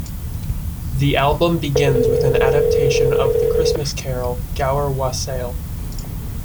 The album begins with an adaptation of the Christmas carol "Gower Wassail".